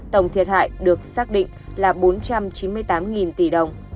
tổng thiệt hại được xác định là bốn trăm chín mươi tám tỷ đồng